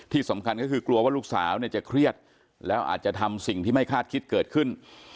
ที่สำคัญก็คือกลัวว่าลูกสาวเนี่ยจะเครียดแล้วอาจจะทำสิ่งที่ไม่คาดคิดเกิดขึ้น